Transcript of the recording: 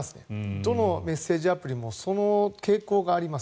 どのメッセージアプリもその傾向があります。